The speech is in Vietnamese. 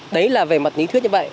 đấy là về mặt lý thuyết như vậy